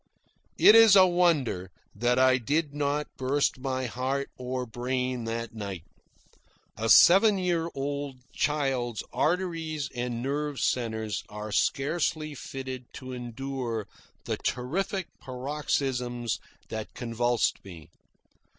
It is a wonder that I did not burst my heart or brain that night. A seven year old child's arteries and nerve centres are scarcely fitted to endure the terrific paroxysms that convulsed me.